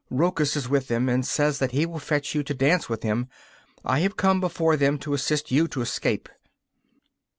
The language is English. Rochus is with them, and says that he will fetch you to dance with him. I have come before them to assist you to escape.